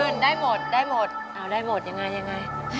ในดวงนี้